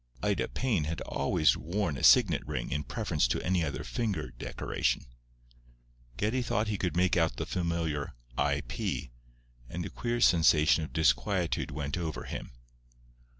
Ida Payne had always worn a signet ring in preference to any other finger decoration. Geddie thought he could make out the familiar "I P"; and a queer sensation of disquietude went over him.